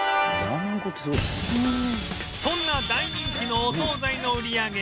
そんな大人気のお惣菜の売り上げ